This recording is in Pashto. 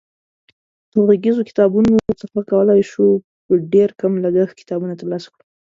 د غږیزو کتابتونونو څخه کولای شو په ډېر کم لګښت کتابونه ترلاسه کړو.